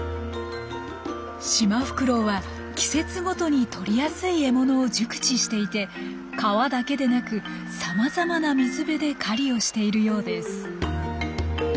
シマフクロウは季節ごとにとりやすい獲物を熟知していて川だけでなくさまざまな水辺で狩りをしているようです。